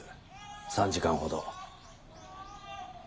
３時間ほど。